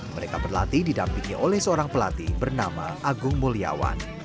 mereka berlatih didampingi oleh seorang pelatih bernama agung mulyawan